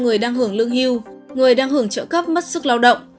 người đang hưởng lương hưu người đang hưởng trợ cấp mất sức lao động